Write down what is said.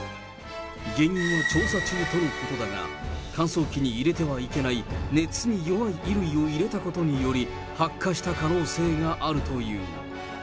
原因は調査中とのことだが、乾燥機に入れてはいけない、熱に弱い衣類を入れたことにより、発火した可能性があるという。